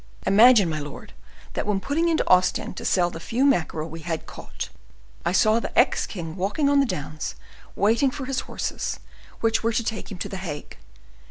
Imagine, my lord, that when putting into Ostend to sell the few mackerel we had caught, I saw the ex king walking on the downs waiting for his horses, which were to take him to the Hague.